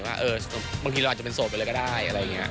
บางทีเราอาจเป็นโสดไปเลยก็ได้